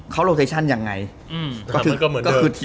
เขาโรเทชั่นยังไงก็คือยังไง